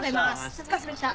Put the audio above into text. お疲れさまでした。